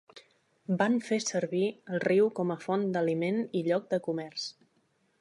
Van fer servir el riu com a font d'aliment i lloc de comerç.